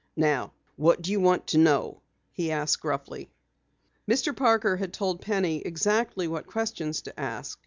"Now what do you want to know?" he asked gruffly. Mr. Parker had told Penny exactly what questions to ask.